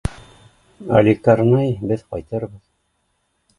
Али Карнай беҙ ҡайтырбыҙ